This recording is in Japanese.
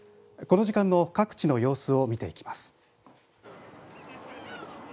この時間の各地の様子を見ていきます。